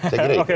saya kira itu